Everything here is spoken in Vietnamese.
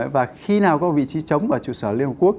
và khi nào có vị trí chống ở trụ sở liên hợp quốc